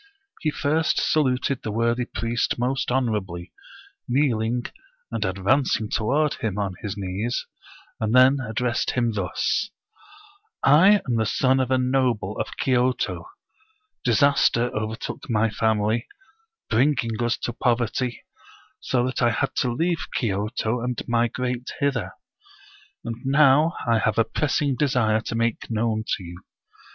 He first saluted the worthy priest most honorably, kneel ing, and advancing toward him on his knees, and then addressed him thus: " I am the son of a noble of Kyoto ; disaster overtook my family, bringing us to poverty, so that I had to leave Kyoto and migrate hither. And now I have a pressing desire to make known to you.